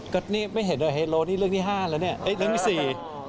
ก็นี่ไม่เห็นเลยเฮโร่นี่เรื่องที่๕แล้วนี่เหลืองที่๔